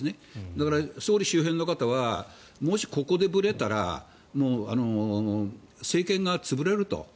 だから総理周辺の方はもしここでぶれたら政権側は潰れると。